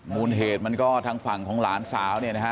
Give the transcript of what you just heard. มูลเหตุมันก็ทั้งฝั่งของหลานสาว